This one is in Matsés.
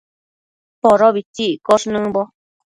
Podobitsi iccosh nëmbo